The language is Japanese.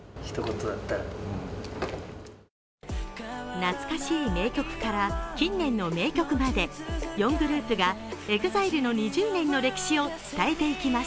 懐かしい名曲から近年の名曲まで、４グループがＥＸＩＬＥの２０年の歴史を伝えていきます。